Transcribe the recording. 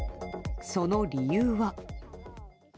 その理由は。